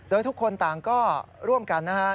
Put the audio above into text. โดยทุกคนต่างก็ร่วมกันนะฮะ